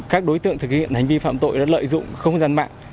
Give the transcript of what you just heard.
các đối tượng thực hiện hành vi phạm tội đã lợi dụng không gian mạng